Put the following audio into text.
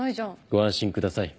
ご安心ください。